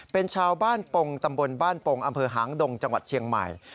เป็นชาวบ้านปงตำบลบ้านปงอำเภอหางดงจังหวัดเชียงใหม่